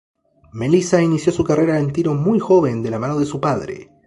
Melisa inició su carrera en tiro muy joven de la mano de su padre.